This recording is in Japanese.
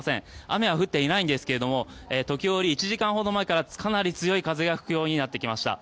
雨は降っていないんですが時折１時間ほど前からかなり強い風が吹くようになってきました。